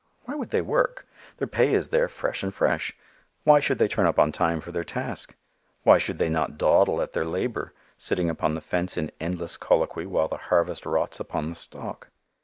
Why should they work, their pay is there "fresh and fresh"? Why should they turn up on time for their task? Why should they not dawdle at their labor sitting upon the fence in endless colloquy while the harvest rots upon the stalk?